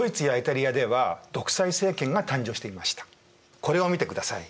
これを見てください。